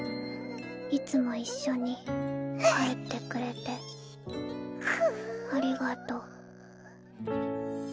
いつも一緒に帰ってくれてありがとう。